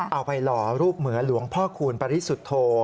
หล่อรูปเหมือนหลวงพ่อคูณปริสุทธโธ